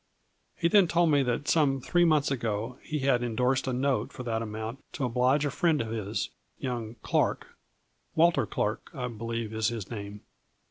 He then told me that some three months ago he had indorsed a note or that amount to oblige a friend of his, young, Clark, Walter Clark, I believe is his name.